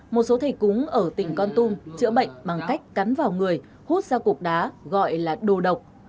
một số thầy cúng ở tỉnh con tum chữa bệnh bằng cách cắn vào người hút ra cục đá gọi là đồ độc